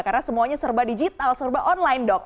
karena semuanya serba digital serba online dok